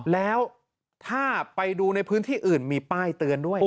แล้วถ้าไปดูในพื้นที่อื่นมีป้ายเตือนด้วย